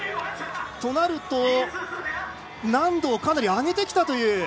となると難度をかなり上げてきたという。